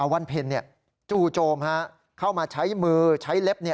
วันเพ็ญจู่โจมเข้ามาใช้มือใช้เล็บ